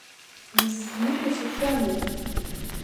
Нас, нышәашьас иамои.